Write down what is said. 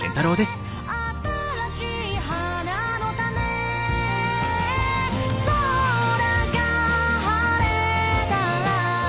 「新しい花の種」「空が晴れたら」